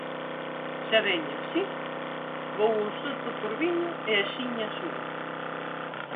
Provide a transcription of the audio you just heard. xa veño, ¿si?, vou ao soto por viño e axiña subo.